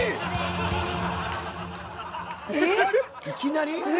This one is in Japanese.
いきなり？